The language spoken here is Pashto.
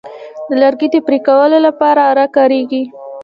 د لرګي د پرې کولو لپاره آره کاریږي.